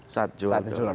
saatnya jual dolar